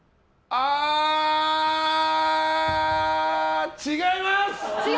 ああ違います！